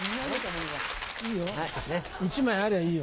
１枚ありゃいいよ。